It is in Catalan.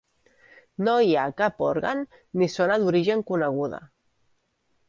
No hi ha cap òrgan ni zona d'origen coneguda.